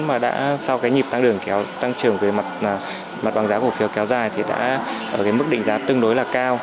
mà đã sau cái nhịp tăng đường tăng trưởng về mặt bằng giá cổ phiếu kéo dài thì đã ở cái mức định giá tương đối là cao